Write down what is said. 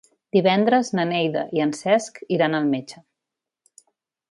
Divendres na Neida i en Cesc iran al metge.